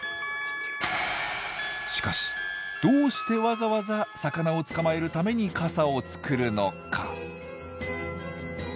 しかしどうしてわざわざ魚を捕まえるために傘を作るのか？